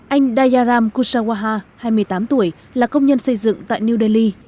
anh dayaram kushawaha hai mươi tám tuổi là công nhân xây dựng tại new delhi